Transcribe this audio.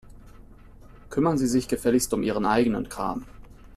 Kümmern Sie sich gefälligst um Ihren eigenen Kram.